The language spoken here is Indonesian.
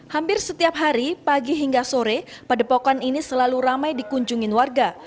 hampir setiap hari pagi hingga sore padepokan ini selalu ramai dikunjungi warga